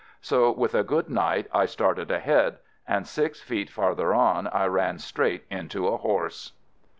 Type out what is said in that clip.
So with a "good night" I started ahead — and six feet farther on I ran straight into a horse!